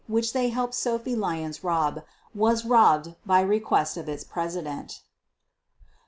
which they helped Sophie Lyons rob was robbed by request of its president.